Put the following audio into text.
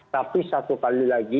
tapi satu kali lagi